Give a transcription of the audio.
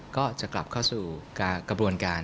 ก็จะกลับเข้าสู่กระบวนการ